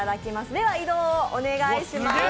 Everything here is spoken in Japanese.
では、移動をお願いいたします。